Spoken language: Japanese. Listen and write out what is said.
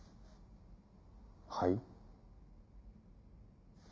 はい？